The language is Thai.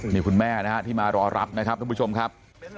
นี่คุณแม่นะฮะที่มารอรับนะครับทุกผู้ชมครับ